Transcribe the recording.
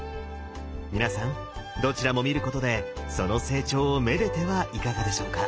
皆さんどちらも見ることでその成長を愛でてはいかがでしょうか。